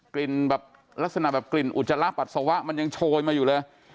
แบบลักษณะแบบกลิ่นอุจจาระปัสสาวะมันยังโชยมาอยู่เลย